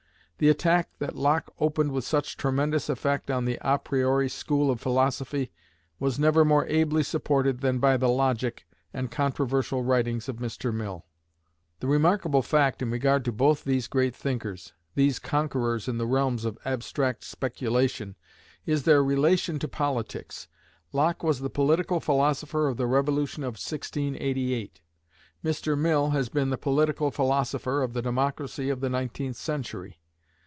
The attack that Locke opened with such tremendous effect on the a priori school of philosophy was never more ably supported than by the "Logic" and controversial writings of Mr. Mill. The remarkable fact in regard to both these great thinkers these conquerors in the realms of abstract speculation is their relation to politics. Locke was the political philosopher of the Revolution of 1688; Mr. Mill has been the political philosopher of the democracy of the nineteenth century.